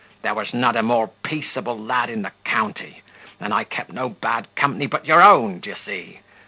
there was not a more peaceable lad in the county, and I kept no bad company but your own, d'ye see.